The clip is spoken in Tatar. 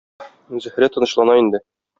Зөһрә тынычлана инде.